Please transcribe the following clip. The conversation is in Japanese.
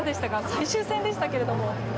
最終戦でしたけれども。